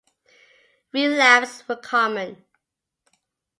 Relapses were common.